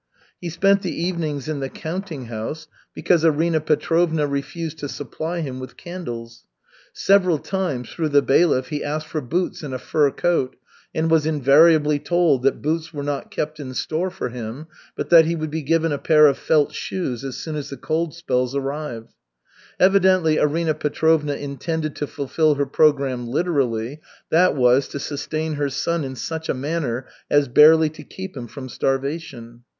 He spent the evenings in the counting house, because Arina Petrovna refused to supply him with candles. Several times, through the bailiff, he asked for boots and a fur coat, and was invariably told that boots were not kept in store for him, but that he would be given a pair of felt shoes as soon as the cold spells arrived. Evidently, Arina Petrovna intended to fulfill her program literally, that was, to sustain her son in such a manner as barely to keep him from starvation.